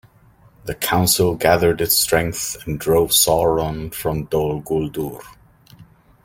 The Council gathered its strength and drove Sauron from Dol Guldur.